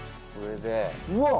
うわっ！